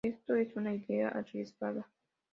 Esto era una idea arriesgada.